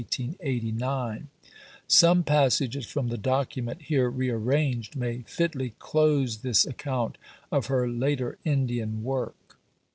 Some passages from the document, here rearranged, may fitly close this account of her later Indian work.